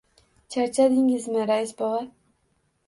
— Chaqirdingizmi, rais bova?